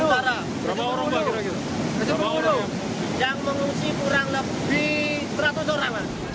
untuk mengatasi dampak banjir lahar